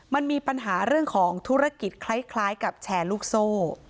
มันมีปัญหาเรื่องของธุรกิจคล้ายกับแชร์ลูกโซ่